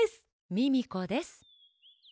ミミコです！